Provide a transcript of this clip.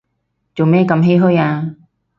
做咩咁唏噓啊